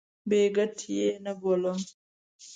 بې ګټې نه بولم.